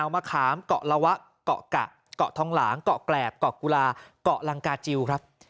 อมะขามกละวะกกะกทองหลังกแกรกกกุลากลังกาจิวครับ